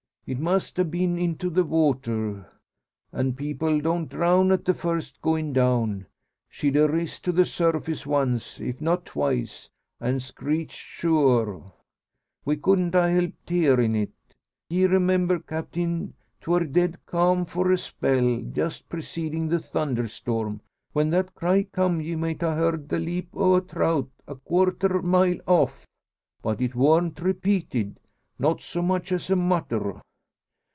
It must a been into the water; an' people don't drown at the first goin' down. She'd a riz to the surface once, if not twice; an' screeched sure. We couldn't a helped hearin' it. Ye remember, Captain, 'twor dead calm for a spell, just precedin' the thunderstorm. When that cry come ye might a heerd the leap o' a trout a quarter mile off. But it worn't repeated not so much as a mutter."